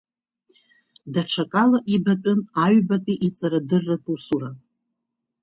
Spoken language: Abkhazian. Даҽакала ибатәын аҩбатәи иҵарадырратә усура.